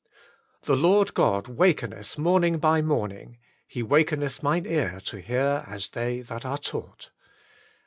The Lord God wakeneth morning by morning, He wakeneth mine ear to hear as they that are taught."